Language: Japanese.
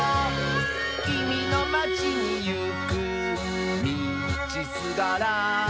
「きみのまちにいくみちすがら」